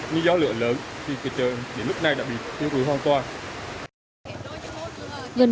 nhưng do lửa lớn thì chợ đến lúc này đã bị thiếu cử hoàn toàn